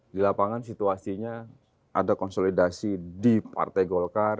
di lapangan situasinya ada konsolidasi di partai golkar